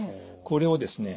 これをですね